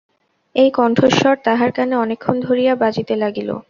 এই কণ্ঠস্বর তাহার কানে অনেকক্ষণ ধরিয়া বাজিতে লাগিল।